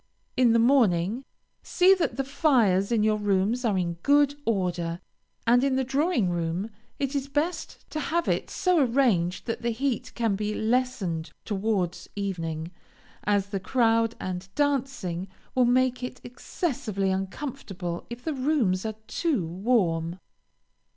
In the morning, see that the fires in your rooms are in good order; and in the drawing room, it is best to have it so arranged that the heat can be lessened towards evening, as the crowd, and dancing, will make it excessively uncomfortable if the rooms are too warm.